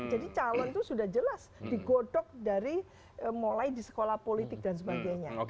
jadi calon itu sudah jelas digodok mulai di sekolah politik dan sebagainya